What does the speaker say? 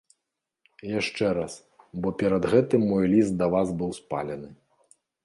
Яшчэ раз, бо перад гэтым мой ліст да вас быў спалены.